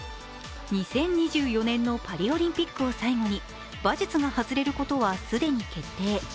２０２４年のパリオリンピックを最後に馬術が外れることは既に決定。